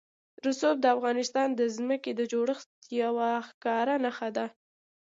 رسوب د افغانستان د ځمکې د جوړښت یوه ښکاره نښه ده.